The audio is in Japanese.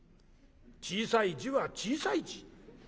小さい字は小さい字。